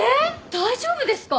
大丈夫ですか？